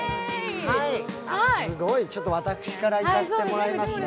すごい、私からいかせてもらいますね。